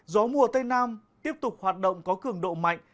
gió mùa tây nam tiếp tục hoạt động có cường độ mạnh